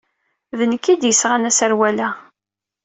D nekk ay d-yesɣan aserwal-a.